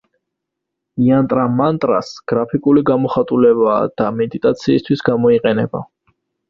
იანტრა მანტრას გრაფიკული გამოხატულებაა და მედიტაციისთვის გამოიყენება.